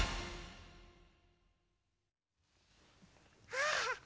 ああ！